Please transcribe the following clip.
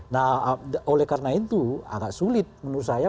nah oleh karena itu agak sulit menurut saya